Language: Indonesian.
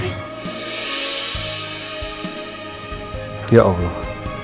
amankan ya orih